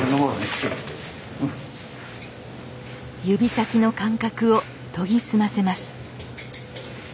指先の感覚を研ぎ澄ませます